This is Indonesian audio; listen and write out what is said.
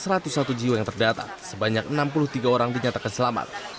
sementara itu dari total satu ratus satu jiwa yang terdata sebanyak enam puluh tiga orang dinyatakan selamat